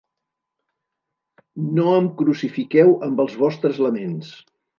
No em crucifiqueu amb els vostres laments!